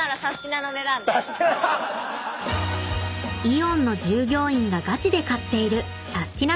［イオンの従業員がガチで買っているサスティな！